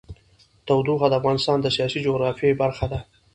تودوخه د افغانستان د سیاسي جغرافیه برخه ده.